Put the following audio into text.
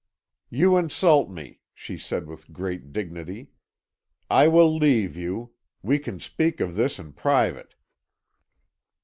"'You insult me,' she said with great dignity. 'I will leave you. We can speak of this in private.'